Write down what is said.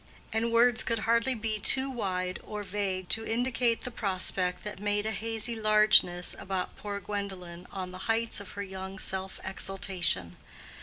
And words could hardly be too wide or vague to indicate the prospect that made a hazy largeness about poor Gwendolen on the heights of her young self exultation.